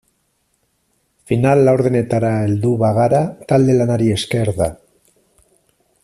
Final laurdenetara heldu bagara talde-lanari esker da.